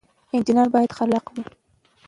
انجنیر باید خلاق وي